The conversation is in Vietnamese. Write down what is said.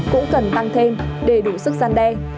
cũng cần tăng thêm để đủ sức gian đe